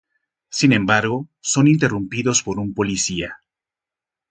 Sin embargo son interrumpidos por un policía.